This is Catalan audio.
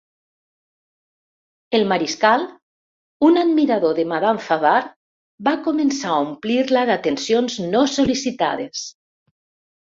El mariscal, un admirador de Madame Favart, va començar a omplir-la d'atencions no sol·licitades.